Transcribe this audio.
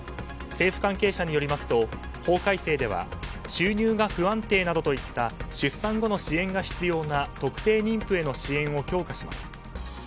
政府関係者によりますと法改正では収入が不安定などといった出産後の支援が必要な特定妊婦への支援を強化します。